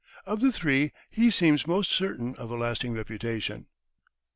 Of the three, he seems most certain of a lasting reputation.